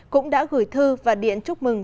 cũng đã gửi thư và điện chúc mừng